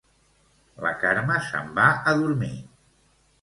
La Carme se'n va a dormir